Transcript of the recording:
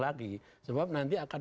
lagi sebab nanti akan